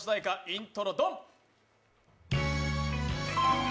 イントロ・ドン。